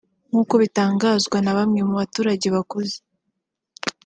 nk’uko bitangazwa na bamwe mu baturage bakuze